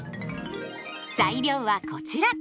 材料はこちら。